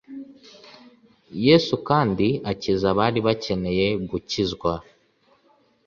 Yesu kandi akiza abari bakeneye gukizwa